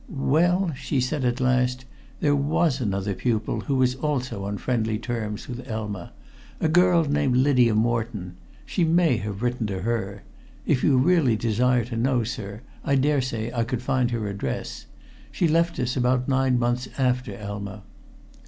"Well," she said at last, "there was another pupil who was also on friendly terms with Elma a girl named Lydia Moreton. She may have written to her. If you really desire to know, sir, I dare say I could find her address. She left us about nine months after Elma."